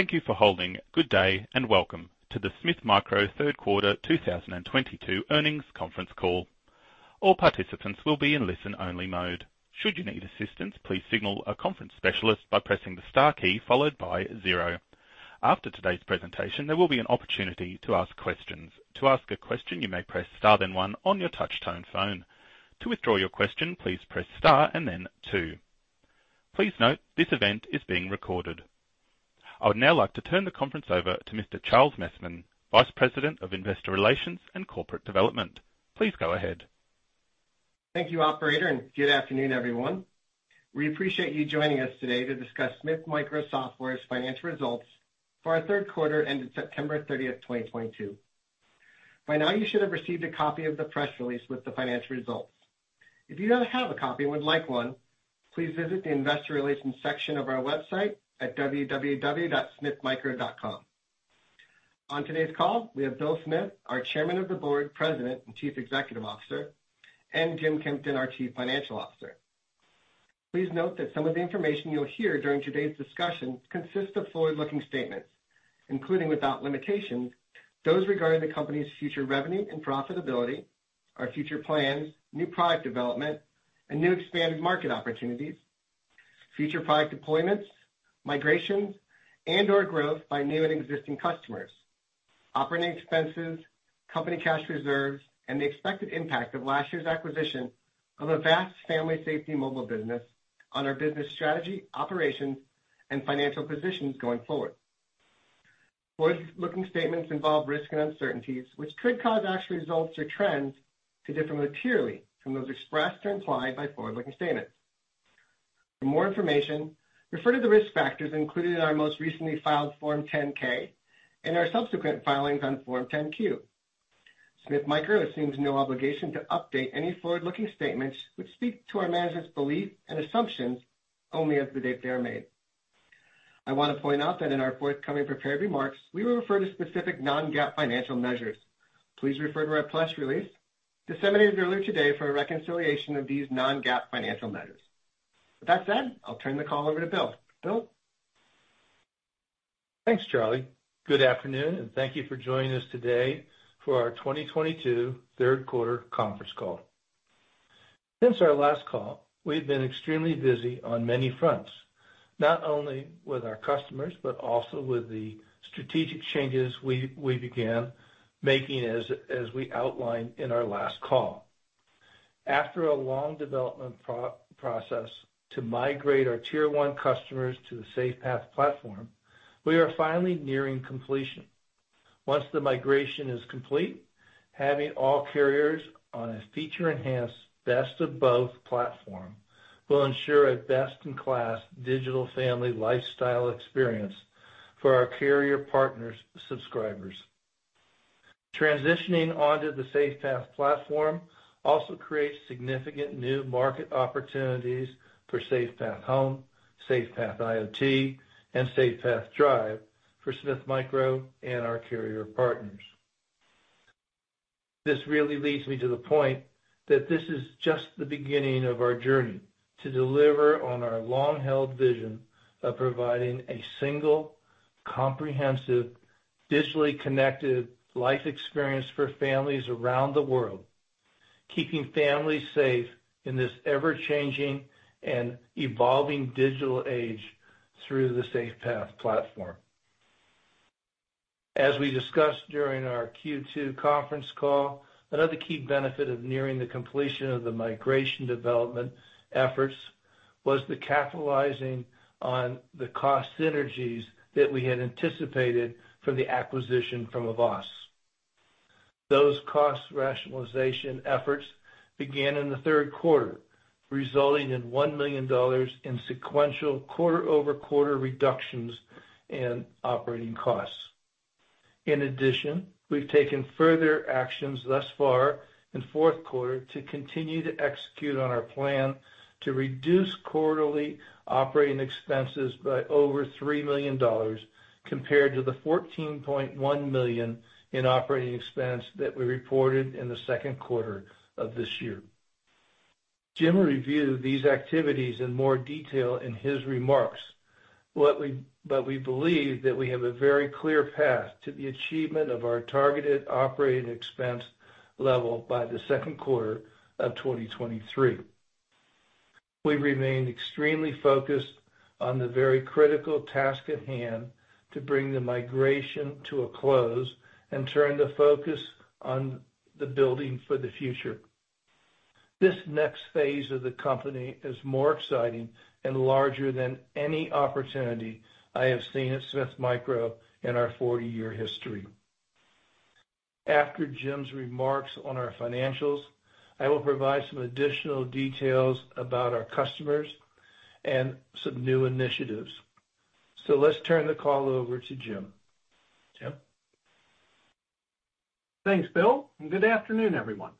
Thank you for holding. Good day, and welcome to The Smith Micro Third Quarter 2022 Earnings Conference Call. All participants will be in listen-only mode. Should you need assistance, please signal a conference specialist by pressing the star key followed by zero. After today's presentation, there will be an opportunity to ask questions. To ask a question, you may press Star, then one on your touchtone phone. To withdraw your question, please press Star and then two. Please note, this event is being recorded. I would now like to turn the conference over to Mr. Charles Messman, Vice President of Investor Relations and Corporate Development. Please go ahead. Thank you operator, and good afternoon, everyone. We appreciate you joining us today to discuss Smith Micro Software's financial results for our third quarter ending September 30, 2022. By now, you should have received a copy of the press release with the financial results. If you don't have a copy and would like one, please visit the investor relations section of our website at www.smithmicro.com. On today's call, we have Bill Smith, our Chairman of the Board, President, and Chief Executive Officer, and Jim Kempton, our Chief Financial Officer. Please note that some of the information you'll hear during today's discussion consists of forward-looking statements, including without limitation, those regarding the company's future revenue and profitability, our future plans, new product development and new expanded market opportunities, future product deployments, migrations, and/or growth by new and existing customers, operating expenses, company cash reserves, and the expected impact of last year's acquisition of Avast Family Safety mobile business on our business strategy, operations, and financial positions going forward. Forward-looking statements involve risks and uncertainties which could cause actual results or trends to differ materially from those expressed or implied by forward-looking statements. For more information, refer to the risk factors included in our most recently filed Form 10-K and our subsequent filings on Form 10-Q. Smith Micro assumes no obligation to update any forward-looking statements which speak to our management's beliefs and assumptions only as of the date they are made. I want to point out that in our forthcoming prepared remarks, we will refer to specific non-GAAP financial measures. Please refer to our press release disseminated earlier today for a reconciliation of these non-GAAP financial measures. With that said, I'll turn the call over to Bill. Bill? Thanks, Charlie. Good afternoon, and thank you for joining us today for our 2022 third quarter conference call. Since our last call, we've been extremely busy on many fronts, not only with our customers, but also with the strategic changes we began making as we outlined in our last call. After a long development process to migrate our tier one customers to the SafePath platform, we are finally nearing completion. Once the migration is complete, having all carriers on a feature-enhanced, best of both platform will ensure a best-in-class digital family lifestyle experience for our carrier partners' subscribers. Transitioning onto the SafePath platform also creates significant new market opportunities for SafePath Home, SafePath IoT, and SafePath Drive for Smith Micro and our carrier partners. This really leads me to the point that this is just the beginning of our journey to deliver on our long-held vision of providing a single, comprehensive, digitally connected life experience for families around the world, keeping families safe in this ever-changing and evolving digital age through the SafePath platform. As we discussed during our Q2 conference call, another key benefit of nearing the completion of the migration development efforts was the capitalizing on the cost synergies that we had anticipated from the acquisition from Avast. Those cost rationalization efforts began in the third quarter, resulting in $1 million in sequential quarter-over-quarter reductions in operating costs. In addition, we've taken further actions thus far in fourth quarter to continue to execute on our plan to reduce quarterly operating expenses by over $3 million compared to the $14.1 million in operating expense that we reported in the second quarter of this year. Jim reviewed these activities in more detail in his remarks. We believe that we have a very clear path to the achievement of our targeted operating expense level by the second quarter of 2023. We remain extremely focused on the very critical task at hand to bring the migration to a close and turn the focus on the building for the future. This next phase of the company is more exciting and larger than any opportunity I have seen at Smith Micro in our 40-year history. After Jim's remarks on our financials, I will provide some additional details about our customers and some new initiatives. Let's turn the call over to Jim. Jim? Thanks, Bill, and good afternoon, everyone.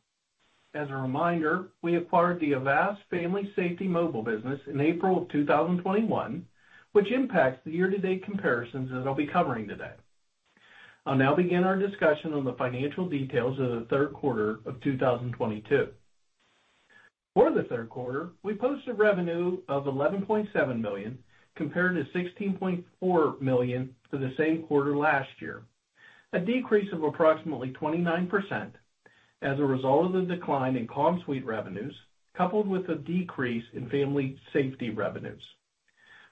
As a reminder, we acquired the Avast Family Safety mobile business in April 2021, which impacts the year-to-date comparisons that I'll be covering today. I'll now begin our discussion on the financial details of the third quarter of 2022. For the third quarter, we posted revenue of $11.7 million compared to $16.4 million for the same quarter last year, a decrease of approximately 29% as a result of the decline in CommSuite revenues, coupled with a decrease in Family Safety revenues.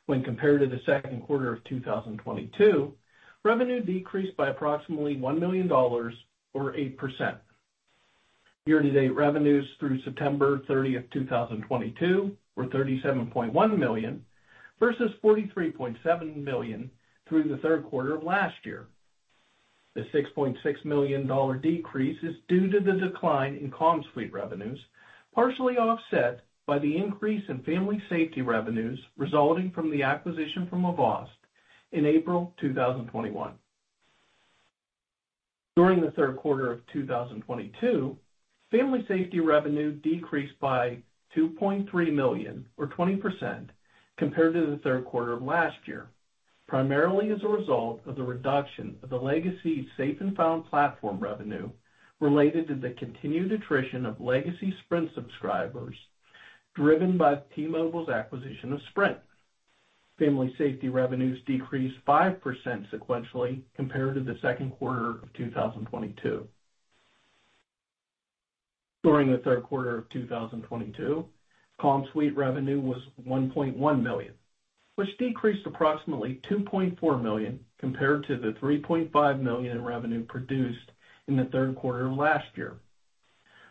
When compared to the second quarter of 2022, revenue decreased by approximately $1 million or 8%. Year-to-date revenues through September 30, 2022 were $37.1 million versus $43.7 million through the third quarter of last year. The $6.6 million decrease is due to the decline in CommSuite revenues, partially offset by the increase in Family Safety revenues resulting from the acquisition from Avast in April 2021. During the third quarter of 2022, Family Safety revenue decreased by $2.3 million or 20% compared to the third quarter of last year, primarily as a result of the reduction of the legacy Safe & Found platform revenue related to the continued attrition of legacy Sprint subscribers, driven by T-Mobile's acquisition of Sprint. Family Safety revenues decreased 5% sequentially compared to the second quarter of 2022. During the third quarter of 2022, CommSuite revenue was $1.1 million, which decreased approximately $2.4 million compared to the $3.5 million in revenue produced in the third quarter of last year.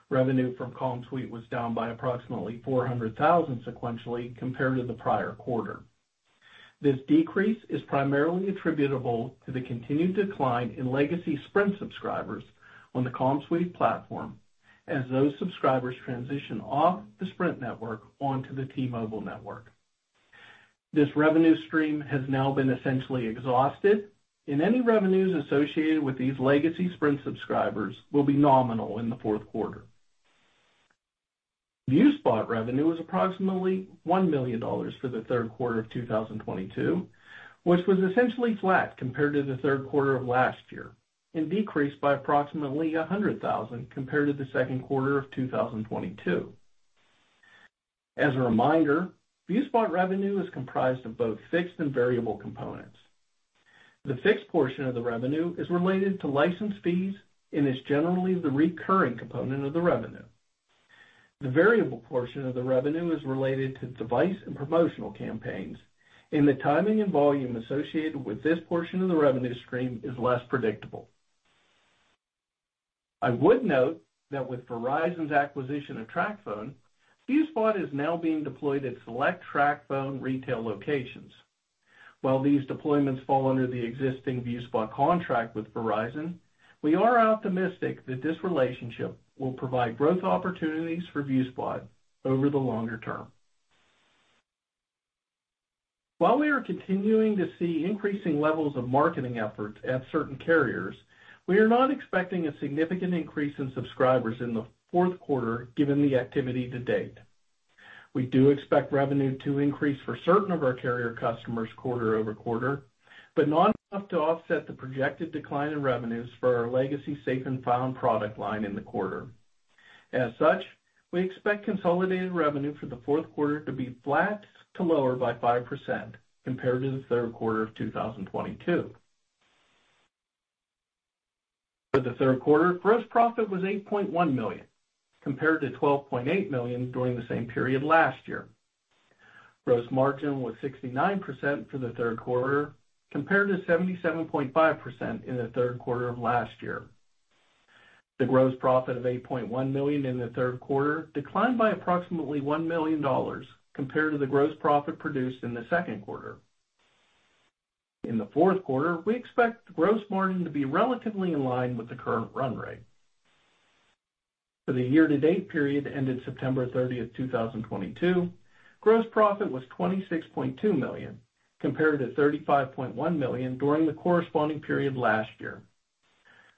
Revenue from CommSuite was down by approximately $400,000 sequentially compared to the prior quarter. This decrease is primarily attributable to the continued decline in legacy Sprint subscribers on the CommSuite platform as those subscribers transition off the Sprint network onto the T-Mobile network. This revenue stream has now been essentially exhausted, and any revenues associated with these legacy Sprint subscribers will be nominal in the fourth quarter. ViewSpot revenue was approximately $1 million for the third quarter of 2022, which was essentially flat compared to the third quarter of last year and decreased by approximately $100,000 compared to the second quarter of 2022. As a reminder, ViewSpot revenue is comprised of both fixed and variable components. The fixed portion of the revenue is related to license fees and is generally the recurring component of the revenue. The variable portion of the revenue is related to device and promotional campaigns, and the timing and volume associated with this portion of the revenue stream is less predictable. I would note that with Verizon's acquisition of TracFone, ViewSpot is now being deployed at select TracFone retail locations. While these deployments fall under the existing ViewSpot contract with Verizon, we are optimistic that this relationship will provide growth opportunities for ViewSpot over the longer term. While we are continuing to see increasing levels of marketing efforts at certain carriers, we are not expecting a significant increase in subscribers in the fourth quarter given the activity to date. We do expect revenue to increase for certain of our carrier customers quarter-over-quarter, but not enough to offset the projected decline in revenues for our legacy Safe and Found product line in the quarter. As such, we expect consolidated revenue for the fourth quarter to be flat to lower by 5% compared to the third quarter of 2022. For the third quarter, gross profit was $8.1 million, compared to $12.8 million during the same period last year. Gross margin was 69% for the third quarter, compared to 77.5% in the third quarter of last year. The gross profit of $8.1 million in the third quarter declined by approximately $1 million compared to the gross profit produced in the second quarter. In the fourth quarter, we expect gross margin to be relatively in line with the current run rate. For the year-to-date period ended September 30, 2022, gross profit was $26.2 million, compared to $35.1 million during the corresponding period last year.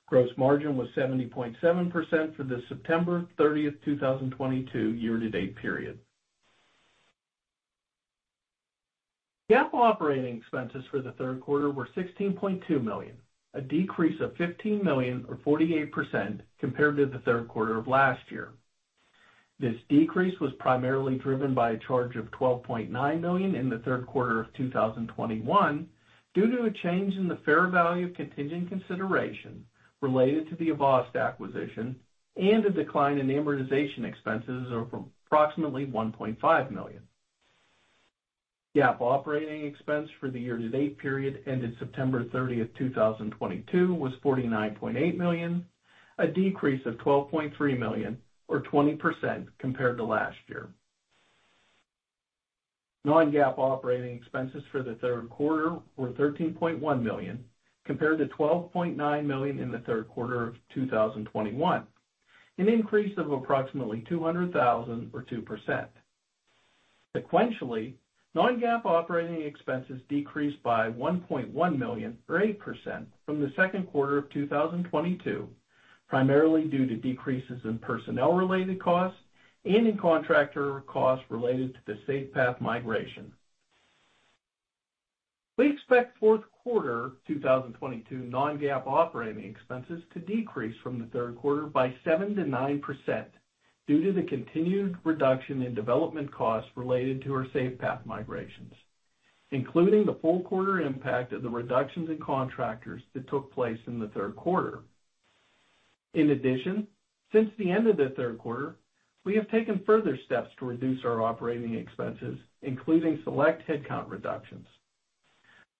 Gross margin was 70.7% for the September 30, 2022 year-to-date period. GAAP operating expenses for the third quarter were $16.2 million, a decrease of $15 million or 48% compared to the third quarter of last year. This decrease was primarily driven by a charge of $12.9 million in the third quarter of 2021 due to a change in the fair value of contingent consideration related to the Avast acquisition and a decline in amortization expenses of approximately $1.5 million. GAAP operating expense for the year-to-date period ended September 30, 2022 was $49.8 million, a decrease of $12.3 million or 20% compared to last year. Non-GAAP operating expenses for the third quarter were $13.1 million, compared to $12.9 million in the third quarter of 2021, an increase of approximately $200,000 or 2%. Sequentially, non-GAAP operating expenses decreased by $1.1 million or 8% from the second quarter of 2022, primarily due to decreases in personnel-related costs and in contractor costs related to the SafePath migration. We expect fourth quarter 2022 non-GAAP operating expenses to decrease from the third quarter by 7%-9% due to the continued reduction in development costs related to our SafePath migrations, including the full quarter impact of the reductions in contractors that took place in the third quarter. In addition, since the end of the third quarter, we have taken further steps to reduce our operating expenses, including select headcount reductions.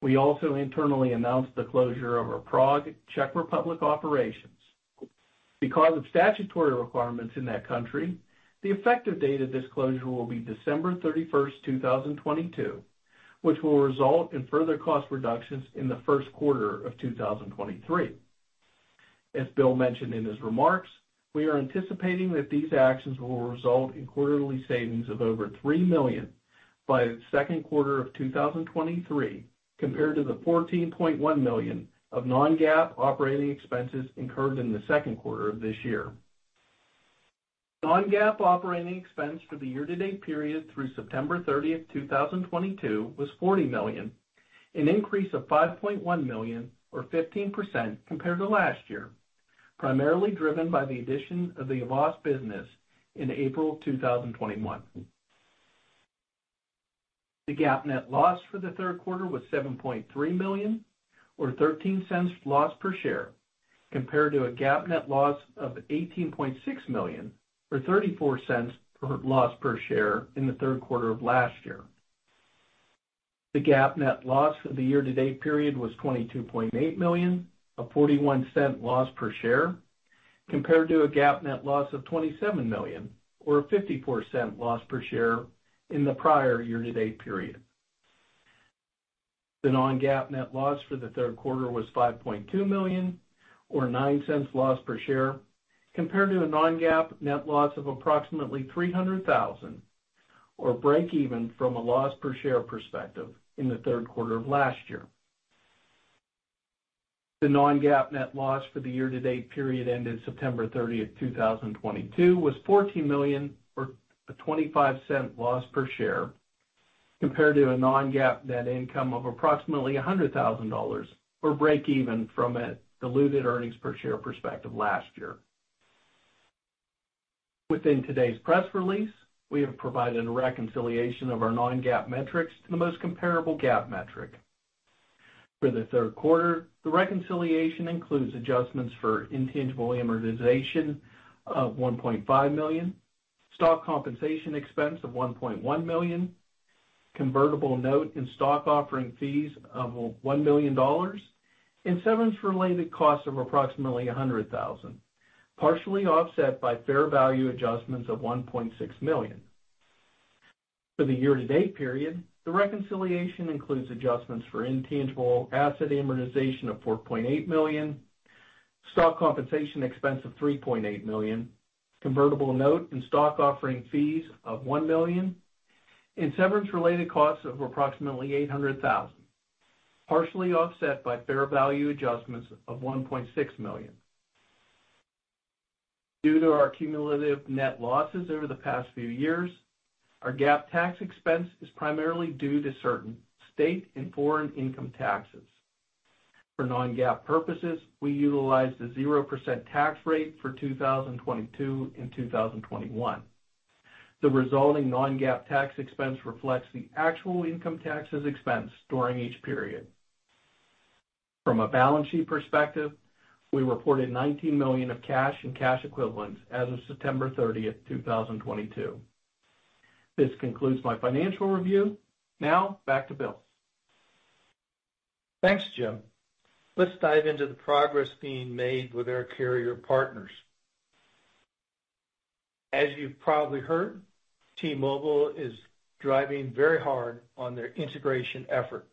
We also internally announced the closure of our Prague, Czech Republic, operations. Because of statutory requirements in that country, the effective date of this closure will be December 31, 2022, which will result in further cost reductions in the first quarter of 2023. As Bill mentioned in his remarks, we are anticipating that these actions will result in quarterly savings of over $3 million by the second quarter of 2023, compared to the $14.1 million of non-GAAP operating expenses incurred in the second quarter of this year. Non-GAAP operating expense for the year-to-date period through September 30, 2022 was $40 million, an increase of $5.1 million or 15% compared to last year, primarily driven by the addition of the Avast business in April 2021. The GAAP net loss for the third quarter was $7.3 million or $0.13 loss per share, compared to a GAAP net loss of $18.6 million or $0.34 loss per share in the third quarter of last year. The GAAP net loss for the year-to-date period was $22.8 million, a $0.41 loss per share, compared to a GAAP net loss of $27 million or a $0.54 loss per share in the prior year-to-date period. The non-GAAP net loss for the third quarter was $5.2 million or $0.09 loss per share, compared to a non-GAAP net loss of approximately $300,000 or breakeven from a loss per share perspective in the third quarter of last year. The non-GAAP net loss for the year-to-date period ended September 30, 2022 was $14 million or a $0.25 loss per share, compared to a non-GAAP net income of approximately $100,000 or breakeven from a diluted earnings per share perspective last year. Within today's press release, we have provided a reconciliation of our non-GAAP metrics to the most comparable GAAP metric. For the third quarter, the reconciliation includes adjustments for intangible amortization of $1.5 million, stock compensation expense of $1.1 million, convertible note and stock offering fees of $1 million, and severance-related costs of approximately $100,000, partially offset by fair value adjustments of $1.6 million. For the year-to-date period, the reconciliation includes adjustments for intangible asset amortization of $4.8 million, stock compensation expense of $3.8 million, convertible note and stock offering fees of $1 million, and severance-related costs of approximately $800,000, partially offset by fair value adjustments of $1.6 million. Due to our cumulative net losses over the past few years, our GAAP tax expense is primarily due to certain state and foreign income taxes. For non-GAAP purposes, we utilize the 0% tax rate for 2022 and 2021. The resulting non-GAAP tax expense reflects the actual income taxes expense during each period. From a balance sheet perspective, we reported $19 million of cash and cash equivalents as of September 30, 2022. This concludes my financial review. Now back to Bill. Thanks, Jim. Let's dive into the progress being made with our carrier partners. As you've probably heard, T-Mobile is driving very hard on their integration effort,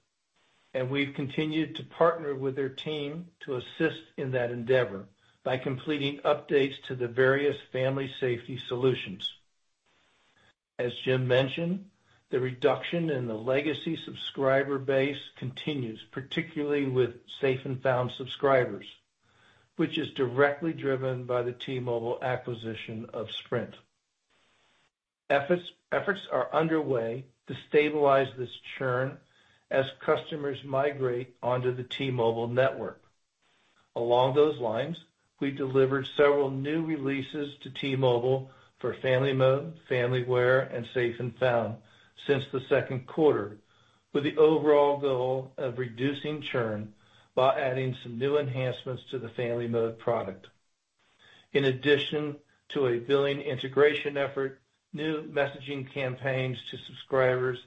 and we've continued to partner with their team to assist in that endeavor by completing updates to the various Family Safety Solutions. As Jim mentioned, the reduction in the legacy subscriber base continues, particularly with Safe & Found subscribers, which is directly driven by the T-Mobile acquisition of Sprint. Efforts are underway to stabilize this churn as customers migrate onto the T-Mobile network. Along those lines, we delivered several new releases to T-Mobile for FamilyMode, FamilyWhere, and Safe & Found since the second quarter, with the overall goal of reducing churn while adding some new enhancements to the FamilyMode product. In addition to a billing integration effort, new messaging campaigns to subscribers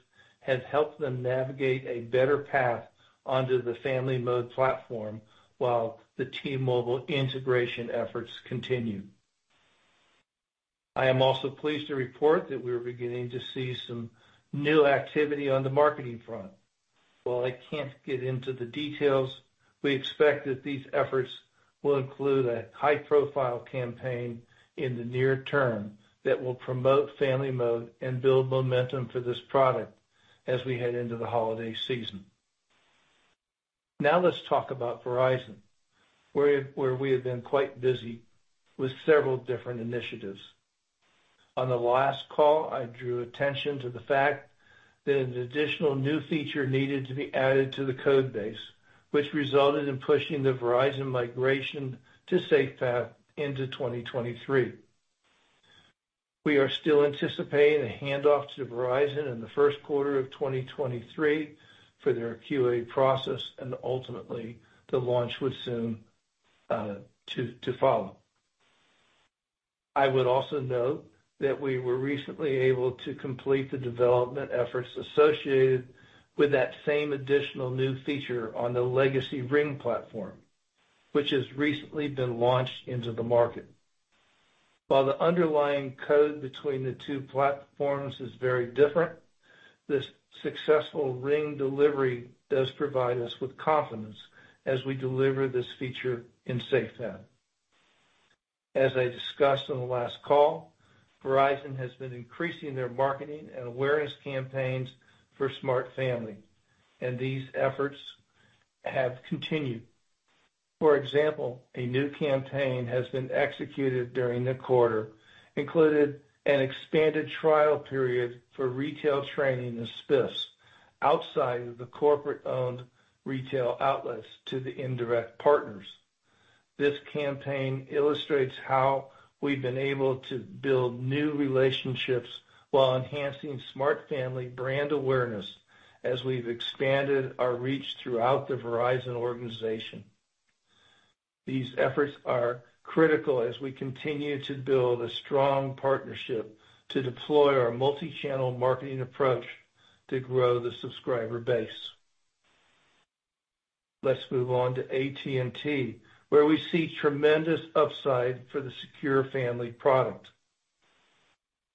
have helped them navigate a better path onto the FamilyMode platform while the T-Mobile integration efforts continue. I am also pleased to report that we are beginning to see some new activity on the marketing front. While I can't get into the details, we expect that these efforts will include a high-profile campaign in the near term that will promote FamilyMode and build momentum for this product as we head into the holiday season. Now let's talk about Verizon, where we have been quite busy with several different initiatives. On the last call, I drew attention to the fact that an additional new feature needed to be added to the code base, which resulted in pushing the Verizon migration to SafePath into 2023. We are still anticipating a handoff to Verizon in the first quarter of 2023 for their QA process and ultimately the launch would soon follow. I would also note that we were recently able to complete the development efforts associated with that same additional new feature on the legacy Ring Platform, which has recently been launched into the market. While the underlying code between the two platforms is very different, this successful Ring delivery does provide us with confidence as we deliver this feature in SafePath. As I discussed on the last call, Verizon has been increasing their marketing and awareness campaigns for Smart Family, and these efforts have continued. For example, a new campaign has been executed during the quarter, included an expanded trial period for retail training and spiffs outside of the corporate-owned retail outlets to the indirect partners. This campaign illustrates how we've been able to build new relationships while enhancing Smart Family brand awareness as we've expanded our reach throughout the Verizon organization. These efforts are critical as we continue to build a strong partnership to deploy our multichannel marketing approach to grow the subscriber base. Let's move on to AT&T, where we see tremendous upside for the Secure Family product.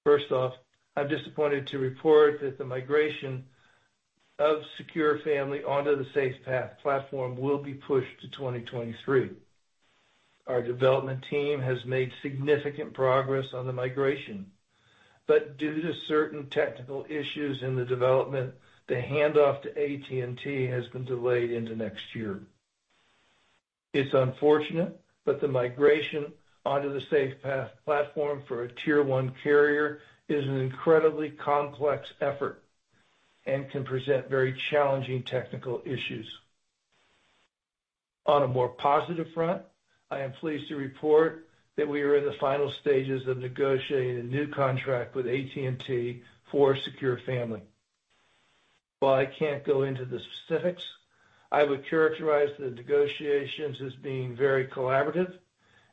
First off, I'm disappointed to report that the migration of Secure Family onto the SafePath platform will be pushed to 2023. Our development team has made significant progress on the migration, but due to certain technical issues in the development, the handoff to AT&T has been delayed into next year. It's unfortunate, but the migration onto the SafePath platform for a tier one carrier is an incredibly complex effort and can present very challenging technical issues. On a more positive front, I am pleased to report that we are in the final stages of negotiating a new contract with AT&T for Secure Family. While I can't go into the specifics, I would characterize the negotiations as being very collaborative,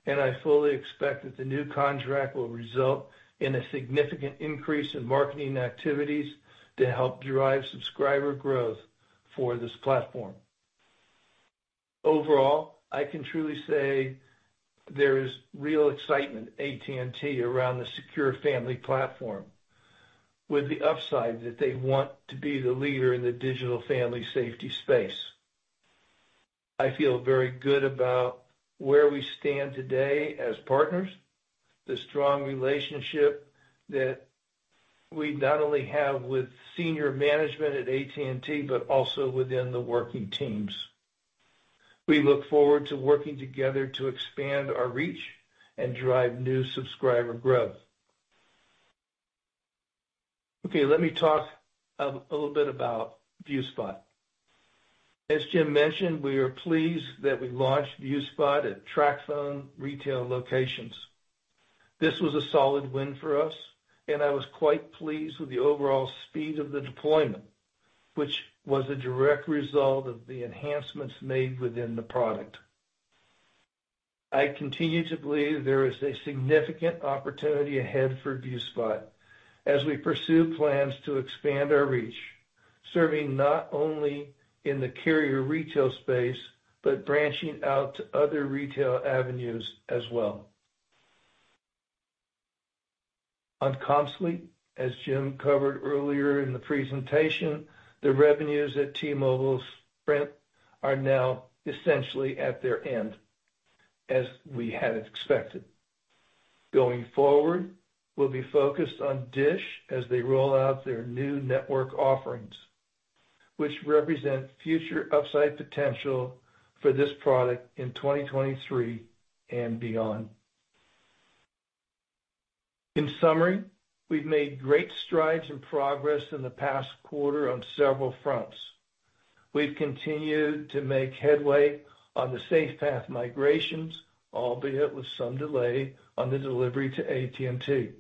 and I fully expect that the new contract will result in a significant increase in marketing activities to help drive subscriber growth for this platform. Overall, I can truly say there is real excitement at AT&T around the Secure Family platform, with the upside that they want to be the leader in the digital family safety space. I feel very good about where we stand today as partners, the strong relationship that we not only have with senior management at AT&T, but also within the working teams. We look forward to working together to expand our reach and drive new subscriber growth. Okay, let me talk a little bit about ViewSpot. As Jim mentioned, we are pleased that we launched ViewSpot at TracFone retail locations. This was a solid win for us, and I was quite pleased with the overall speed of the deployment, which was a direct result of the enhancements made within the product. I continue to believe there is a significant opportunity ahead for ViewSpot as we pursue plans to expand our reach, serving not only in the carrier retail space, but branching out to other retail avenues as well. On CommSuite, as Jim covered earlier in the presentation, the revenues at T-Mobile Sprint are now essentially at their end, as we had expected. Going forward, we'll be focused on DISH as they roll out their new network offerings, which represent future upside potential for this product in 2023 and beyond. In summary, we've made great strides and progress in the past quarter on several fronts. We've continued to make headway on the SafePath migrations, albeit with some delay on the delivery to AT&T.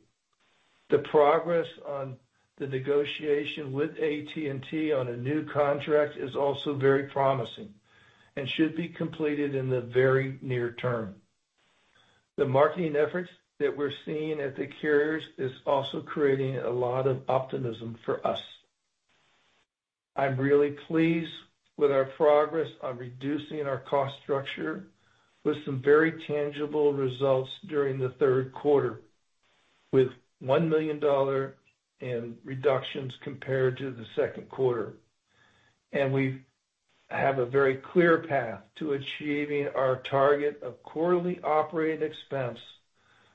The progress on the negotiation with AT&T on a new contract is also very promising and should be completed in the very near term. The marketing efforts that we're seeing at the carriers is also creating a lot of optimism for us. I'm really pleased with our progress on reducing our cost structure with some very tangible results during the third quarter, with $1 million in reductions compared to the second quarter. We have a very clear path to achieving our target of quarterly operating expense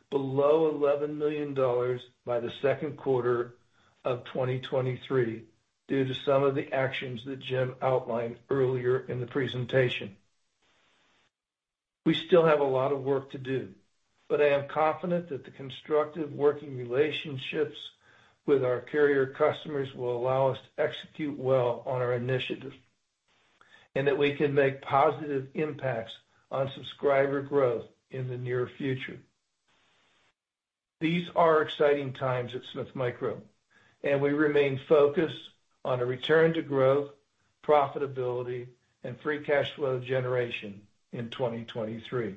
below $11 million by the second quarter of 2023 due to some of the actions that Jim outlined earlier in the presentation. We still have a lot of work to do, but I am confident that the constructive working relationships with our carrier customers will allow us to execute well on our initiative and that we can make positive impacts on subscriber growth in the near future. These are exciting times at Smith Micro, and we remain focused on a return to growth, profitability, and free cash flow generation in 2023.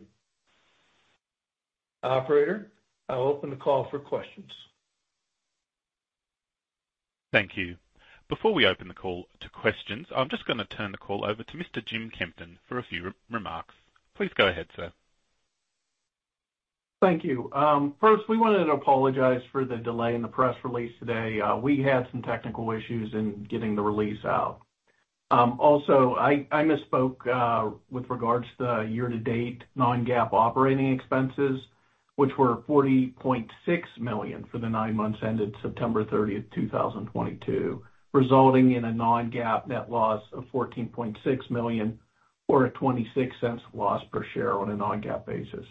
Operator, I'll open the call for questions. Thank you. Before we open the call to questions, I'm just gonna turn the call over to Mr. James Kempton for a few remarks. Please go ahead, sir. Thank you. First, we wanted to apologize for the delay in the press release today. We had some technical issues in getting the release out. Also, I misspoke with regards to the year-to-date non-GAAP operating expenses, which were $40.6 million for the nine months ended September 30, 2022, resulting in a non-GAAP net loss of $14.6 million or a $0.26 loss per share on a non-GAAP basis.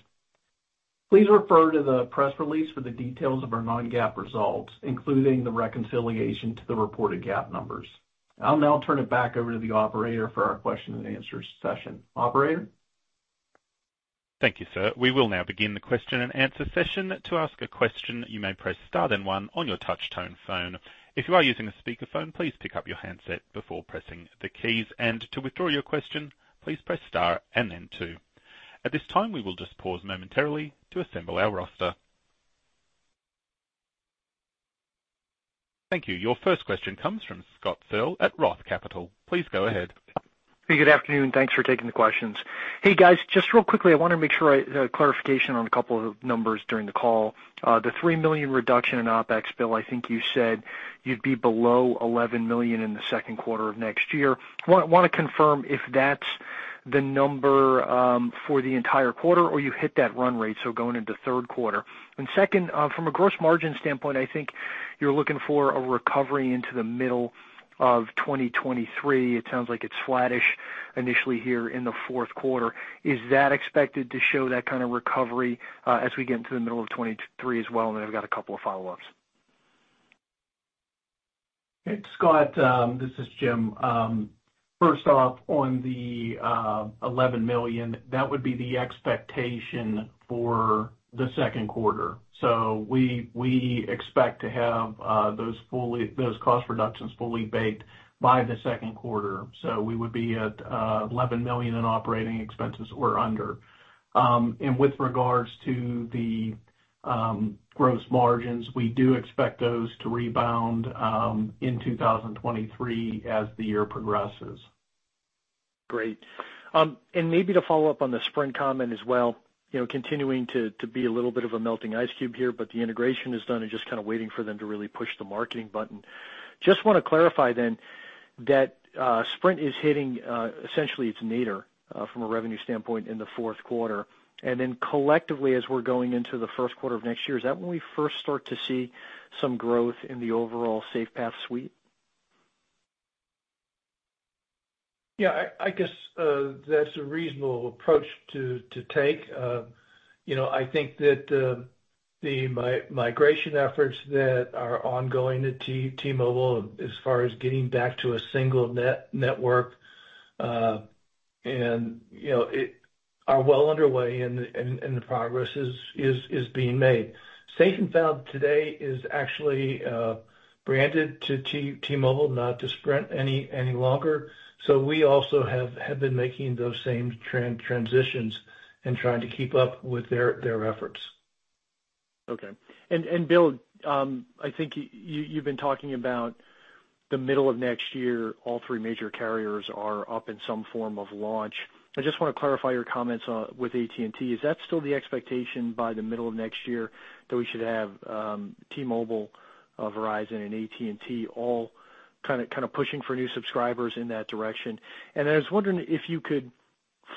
Please refer to the press release for the details of our non-GAAP results, including the reconciliation to the reported GAAP numbers. I'll now turn it back over to the operator for our question and answer session. Operator? Thank you, sir. We will now begin the question and answer session. To ask a question, you may press star then one on your touch tone phone. If you are using a speakerphone, please pick up your handset before pressing the keys. To withdraw your question, please press star and then two. At this time, we will just pause momentarily to assemble our roster. Thank you. Your first question comes from Scott Searle at Roth Capital Partners. Please go ahead. Hey, good afternoon. Thanks for taking the questions. Hey, guys, just real quickly, I wanna make sure clarification on a couple of numbers during the call. The $3 million reduction in OpEx, Bill, I think you said you'd be below $11 million in the second quarter of next year. Wanna confirm if that's the number for the entire quarter, or you hit that run rate, so going into third quarter? Second, from a gross margin standpoint, I think you're looking for a recovery into the middle of 2023. It sounds like it's flattish initially here in the fourth quarter. Is that expected to show that kind of recovery, as we get into the middle of 2023 as well? Then I've got a couple of follow-ups. Hey, Scott, this is Jim. First off, on the $11 million, that would be the expectation for the second quarter. We expect to have those cost reductions fully baked by the second quarter. We would be at $11 million in operating expenses or under. With regards to the gross margins, we do expect those to rebound in 2023 as the year progresses. Great. Maybe to follow up on the Sprint comment as well, you know, continuing to be a little bit of a melting ice cube here, but the integration is done and just kinda waiting for them to really push the marketing button. Just wanna clarify then that Sprint is hitting essentially its nadir from a revenue standpoint in the fourth quarter. Then collectively, as we're going into the first quarter of next year, is that when we first start to see some growth in the overall SafePath suite? Yeah, I guess that's a reasonable approach to take. You know, I think that the migration efforts that are ongoing at T-Mobile as far as getting back to a single network are well underway and the progress is being made. Safe & Found today is actually branded to T-Mobile, not to Sprint any longer, so we also have been making those same transitions and trying to keep up with their efforts. Okay. Bill, I think you've been talking about the middle of next year, all three major carriers are up in some form of launch. I just wanna clarify your comments on with AT&T. Is that still the expectation by the middle of next year, that we should have T-Mobile, Verizon and AT&T all kinda pushing for new subscribers in that direction? I was wondering if you could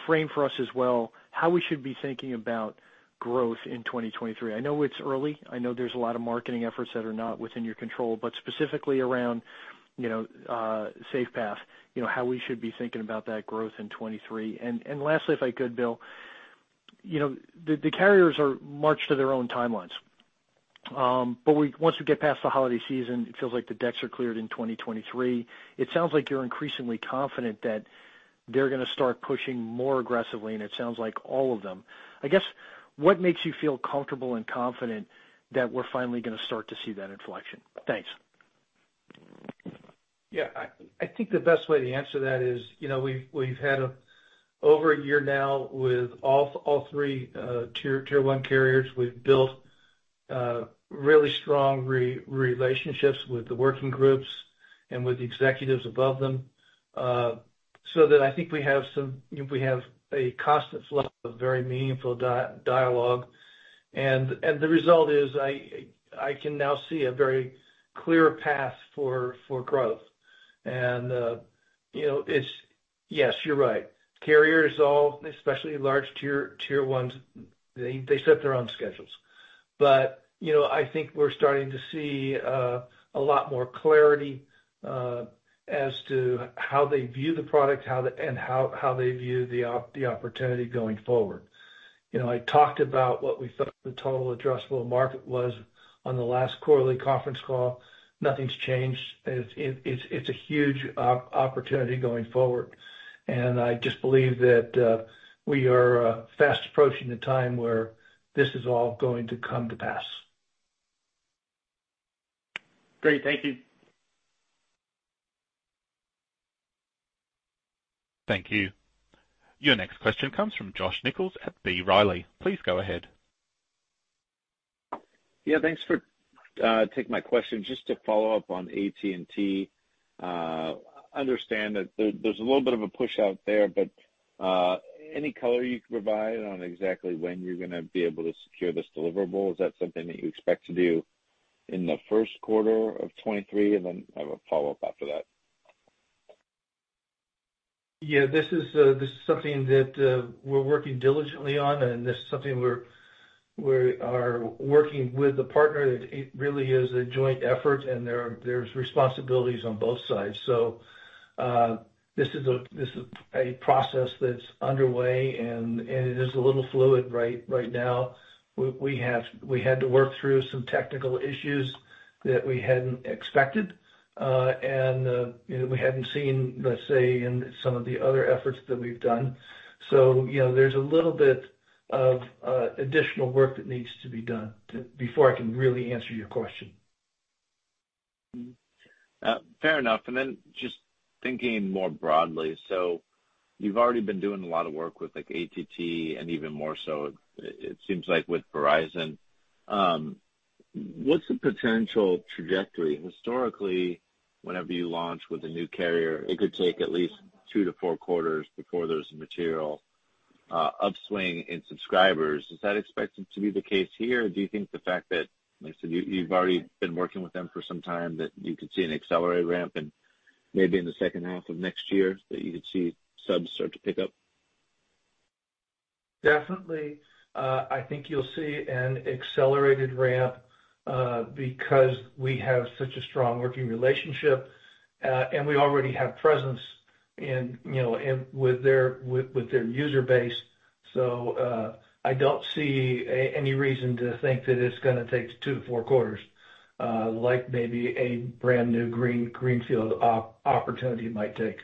frame for us as well how we should be thinking about growth in 2023. I know it's early. I know there's a lot of marketing efforts that are not within your control, but specifically around you know SafePath, you know, how we should be thinking about that growth in 2023. Lastly, if I could, Bill, you know, carriers march to their own timelines. Once we get past the holiday season, it feels like the decks are cleared in 2023. It sounds like you're increasingly confident that they're gonna start pushing more aggressively, and it sounds like all of them. I guess, what makes you feel comfortable and confident that we're finally gonna start to see that inflection? Thanks. Yeah. I think the best way to answer that is, you know, we've had over a year now with all three tier one carriers. We've built really strong relationships with the working groups and with the executives above them, so that I think we have some, you know, we have a constant flow of very meaningful dialogue. The result is I can now see a very clear path for growth. You know, it's yes, you're right. Carriers all, especially large tier ones, they set their own schedules. You know, I think we're starting to see a lot more clarity as to how they view the product, and how they view the opportunity going forward. You know, I talked about what we thought the total addressable market was on the last quarterly conference call. Nothing's changed. It's a huge opportunity going forward. I just believe that we are fast approaching the time where this is all going to come to pass. Great. Thank you. Thank you. Your next question comes from Josh Nichols at B. Riley. Please go ahead. Yeah, thanks for taking my question. Just to follow up on AT&T. Understand that there's a little bit of a push out there, but any color you could provide on exactly when you're gonna be able to secure this deliverable? Is that something that you expect to do in the first quarter of 2023? Then I have a follow-up after that. Yeah, this is something that we're working diligently on, and this is something we are working with the partner. It really is a joint effort, and there's responsibilities on both sides. This is a process that's underway and it is a little fluid right now. We had to work through some technical issues that we hadn't expected, and you know, we hadn't seen, let's say, in some of the other efforts that we've done. You know, there's a little bit of additional work that needs to be done before I can really answer your question. Fair enough. Just thinking more broadly. You've already been doing a lot of work with, like, AT&T and even more so it seems like with Verizon. What's the potential trajectory? Historically, whenever you launch with a new carrier, it could take at least two to four quarters before there's a material upswing in subscribers. Is that expected to be the case here? Do you think the fact that, like I said, you've already been working with them for some time, that you could see an accelerated ramp and maybe in the second half of next year that you could see subs start to pick up? Definitely. I think you'll see an accelerated ramp, because we have such a strong working relationship, and we already have presence in, you know, with their user base. I don't see any reason to think that it's gonna take two to four quarters, like maybe a brand new greenfield opportunity might take.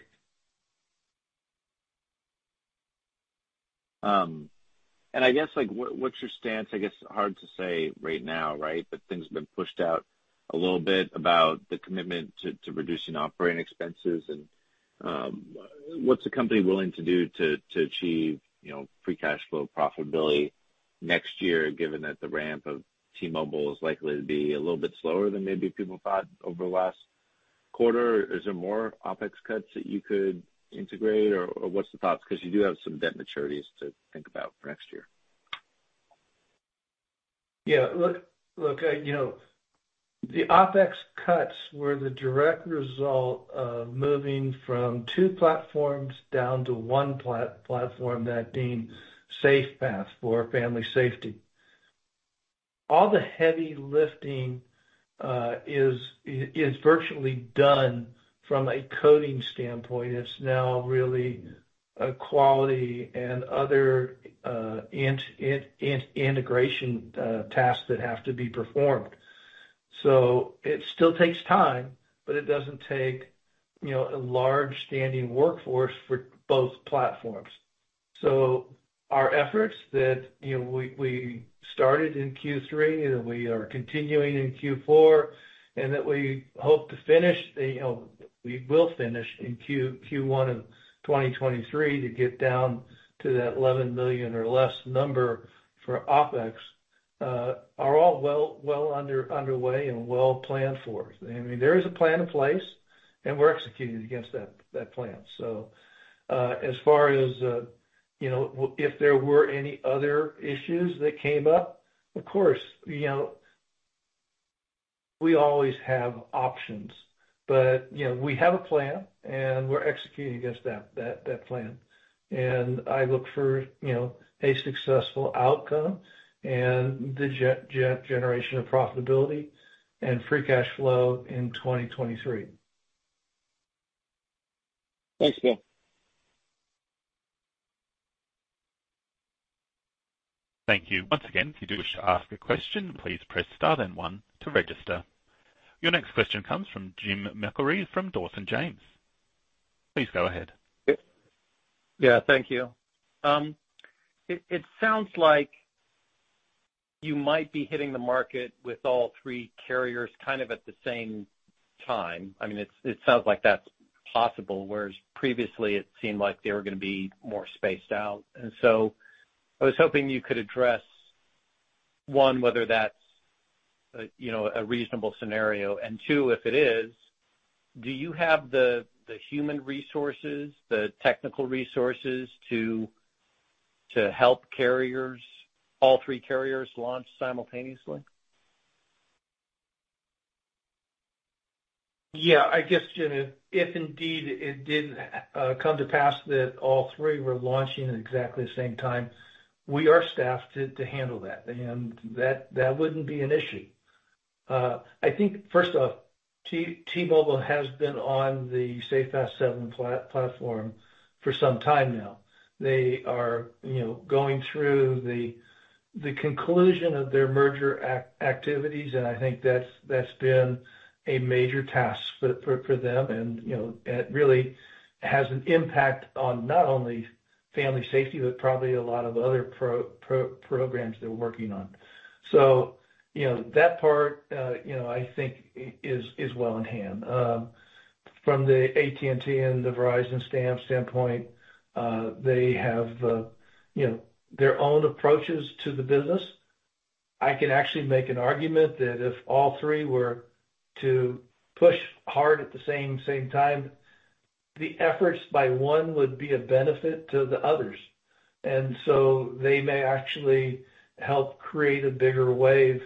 I guess, like, what's your stance, I guess, hard to say right now, right? Things have been pushed out a little bit about the commitment to reducing operating expenses. What's the company willing to do to achieve, you know, free cash flow profitability next year, given that the ramp of T-Mobile is likely to be a little bit slower than maybe people thought over the last quarter? Is there more OpEx cuts that you could integrate or what's the thoughts? 'Cause you do have some debt maturities to think about for next year. Yeah. Look, you know, the OpEx cuts were the direct result of moving from two platforms down to one platform, that being SafePath for family safety. All the heavy lifting is virtually done from a coding standpoint. It's now really a quality and other integration tasks that have to be performed. It still takes time, but it doesn't take, you know, a large standing workforce for both platforms. Our efforts that, you know, we started in Q3 and we are continuing in Q4 and that we hope to finish, you know, we will finish in Q1 of 2023 to get down to that $11 million or less number for OpEx are all well underway and well planned for. I mean, there is a plan in place, and we're executing against that plan. As far as, you know, if there were any other issues that came up, of course, you know, we always have options. We have a plan, and we're executing against that plan. I look for, you know, a successful outcome and the generation of profitability and free cash flow in 2023. Thanks, Bill. Thank you. Once again, if you do wish to ask a question, please press star then one to register. Your next question comes from Jim McIlree from Dawson James. Please go ahead. Yeah. Thank you. It sounds like you might be hitting the market with all three carriers kind of at the same time. I mean, it sounds like that's possible, whereas previously, it seemed like they were gonna be more spaced out. I was hoping you could address one, whether that's you know a reasonable scenario. Two, if it is, do you have the human resources, the technical resources to help carriers, all three carriers launch simultaneously? Yeah, I guess, Jim, if indeed it did come to pass that all three were launching at exactly the same time, we are staffed to handle that, and that wouldn't be an issue. I think first off, T-Mobile has been on the SafePath platform for some time now. They are, you know, going through the conclusion of their merger activities, and I think that's been a major task for them. You know, it really has an impact on not only family safety, but probably a lot of other programs they're working on. You know, that part, you know, I think is well in hand. From the AT&T and the Verizon standpoint, they have, you know, their own approaches to the business. I can actually make an argument that if all three were to push hard at the same time, the efforts by one would be a benefit to the others. They may actually help create a bigger wave,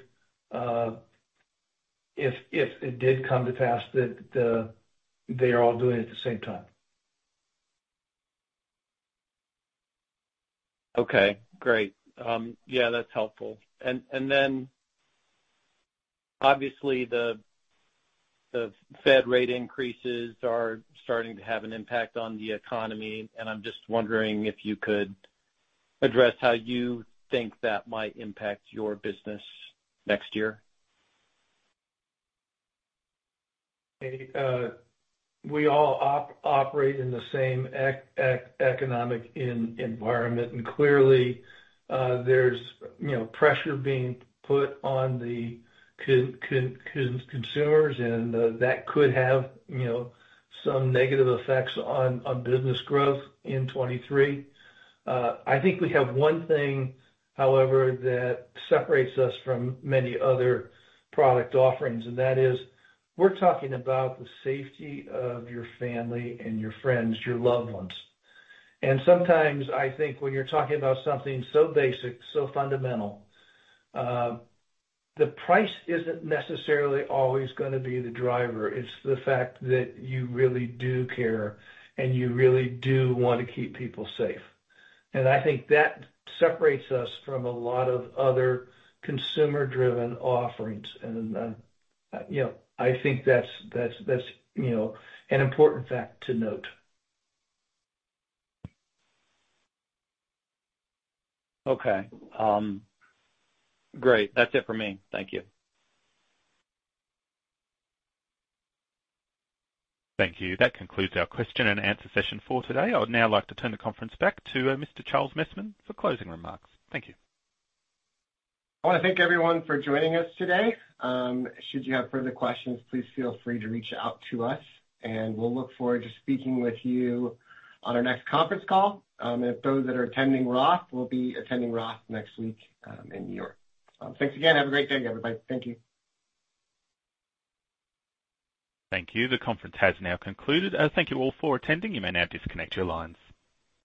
if it did come to pass that they are all doing it at the same time. Okay, great. Yeah, that's helpful. Obviously the Fed rate increases are starting to have an impact on the economy, and I'm just wondering if you could address how you think that might impact your business next year. We all operate in the same economic environment. Clearly, there's, you know, pressure being put on the consumers, and that could have, you know, some negative effects on business growth in 2023. I think we have one thing, however, that separates us from many other product offerings, and that is we're talking about the safety of your family and your friends, your loved ones. Sometimes I think when you're talking about something so basic, so fundamental, the price isn't necessarily always gonna be the driver. It's the fact that you really do care, and you really do wanna keep people safe. I think that separates us from a lot of other consumer-driven offerings. You know, I think that's an important fact to note. Okay. Great. That's it for me. Thank you. Thank you. That concludes our question and answer session for today. I would now like to turn the conference back to Mr. Charles Messman for closing remarks. Thank you. I wanna thank everyone for joining us today. Should you have further questions, please feel free to reach out to us, and we'll look forward to speaking with you on our next conference call. Those that are attending Roth, we'll be attending Roth next week, in New York. Thanks again. Have a great day, everybody. Thank you. Thank you. The conference has now concluded. Thank you all for attending. You may now disconnect your lines.